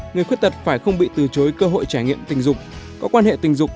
hai người khuyết tật phải không bị từ chối cơ hội trải nghiệm tình dục